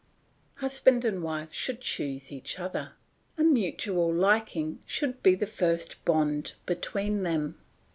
"Husband and wife should choose each other. A mutual liking should be the first bond between them.